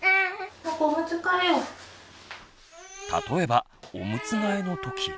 例えばオムツ替えの時。